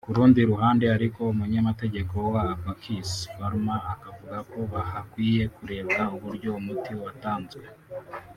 Ku rundi ruhande ariko umunyamategeko wa Abacus Pharma akavuga ko hakwiye kurebwa uburyo umuti watanzwe